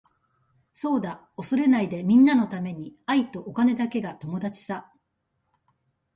そうだ恐れないでみんなのために愛とお金だけが友達さ。